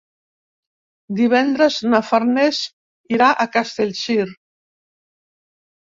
Divendres na Farners irà a Castellcir.